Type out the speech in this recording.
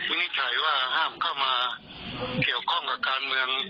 นิจฉัยว่าห้ามเข้ามาเกี่ยวข้องกับการเมือง